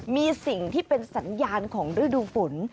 มีสิ่งที่เป็นสัญญาณของฤดูฝน